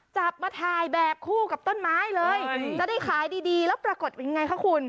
จับมาถ่ายแบบคู่กับต้นไม้เลยจะได้ขายดีแล้วปรากฏเป็นไงคะคุณ